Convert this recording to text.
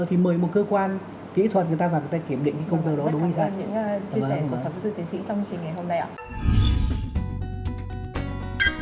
thì mời một cơ quan kỹ thuật người ta vào người ta kiểm định cái công tơ đó đúng không